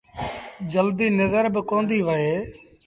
جلديٚ نزر باڪونديٚ وهي۔